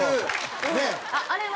あれは？